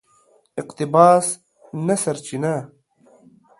اقتباس نه سرچینه